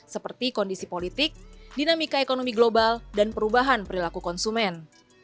seperti kondisi politik dinamika ekonomi global dan perubahan perilaku konsumen